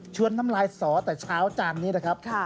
น้ำลายสอแต่เช้าจานนี้นะครับ